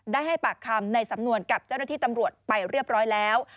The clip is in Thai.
ได้ให้ปากคำในสำนวนกับเจ้าหน้าที่ตำรวจไปเรียบร้อยแล้ว